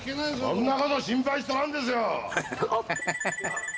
そんな事心配しとらんですよ！